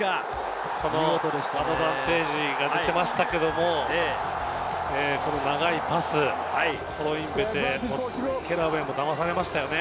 このアドバンテージが出ていましたけれども、長いパス、コロインベテ、ケラウェイも騙されましたよね。